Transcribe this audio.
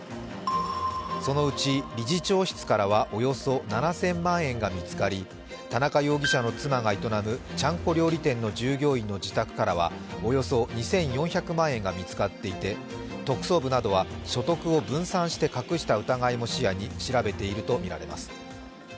そのうち理事長室からはおよそ７０００万円が見つかり田中容疑者の妻が営むちゃんこ料理店の従業員の自宅からはおよそ２４００万円が見つかっていて、特捜部などは所得を分散して斯くした疑いも視野に調べているとみられます。